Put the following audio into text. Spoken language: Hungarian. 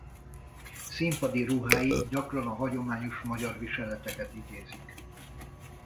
Színpadi ruhái gyakran a hagyományos magyar viseleteket idézik.